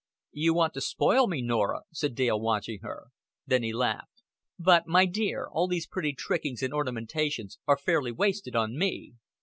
"You want to spoil me, Norah," said Dale, watching her. Then he laughed. "But, my dear, all these pretty trickings and ornamentations are fairly wasted on me."